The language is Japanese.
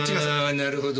あなるほど。